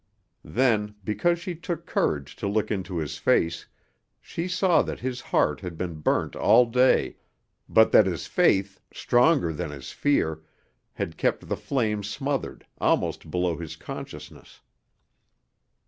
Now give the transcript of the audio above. Then, because she took courage to look into his face, she saw that his heart had been burnt all day, but that his faith, stronger than his fear, had kept the flame smothered, almost below his consciousness.